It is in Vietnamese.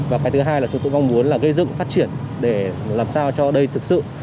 và cái thứ hai là chúng tôi mong muốn là gây dựng phát triển để làm sao cho đây thực sự